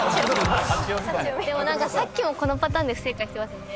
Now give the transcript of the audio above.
でもさっきもこのパターンで不正解してますよね。